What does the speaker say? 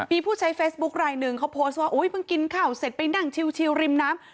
มีผู้ใช้เฟซบุ๊คลายหนึ่งเขาโพสต์ว่าเพิ่งกินข้าวเสร็จไปนั่งชิวริมน้ำ